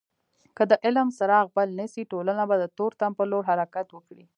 که د علم څراغ بل نسي ټولنه به د تورتم په لور حرکت وکړي.